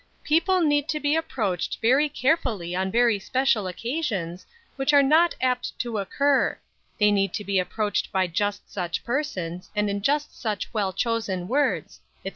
"People need to be approached very carefully on very special occasions, which are not apt to occur; they need to be approached by just such persons, and in just such well chosen words," etc.